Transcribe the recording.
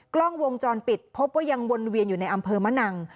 กล้องวงจรปิดพบว่ายังวนเวียนอยู่ในอำเภอมะนัง